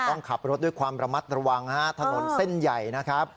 ต้องขับรถด้วยความระมัดระวังฮะถนนเส้นใหญ่นะครับ